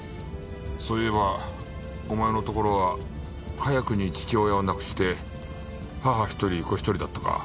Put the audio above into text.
そういえばお前のところは早くに父親を亡くして母一人子一人だったか。